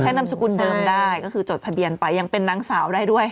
นามสกุลเดิมได้ก็คือจดทะเบียนไปยังเป็นนางสาวได้ด้วยค่ะ